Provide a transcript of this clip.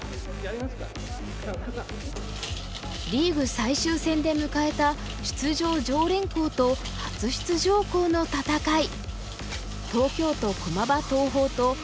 リーグ最終戦で迎えた出場常連校と初出場校の戦い。